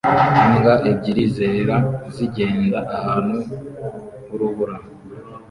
Imbwa ebyiri zera zigenda ahantu h'urubura